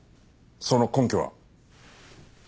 その根拠は？